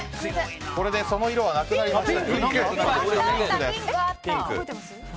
これで、その色はなくなりました。